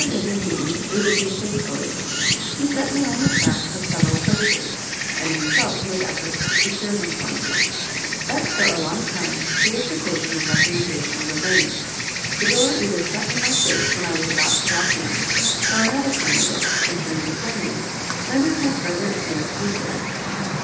Vandenhuten aided me faithfully; he set me on the track of several places, and himself made efforts to secure them for me; but for a long time solicitation and recommendation were vain the door either shut in my face when I was about to walk in, or another candidate, entering before me, rendered my further advance useless.